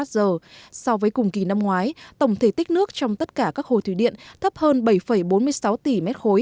so với cùng kỳ năm ngoái tổng thể tích nước trong tất cả các hồ thủy điện thấp hơn bảy bốn mươi sáu tỷ m ba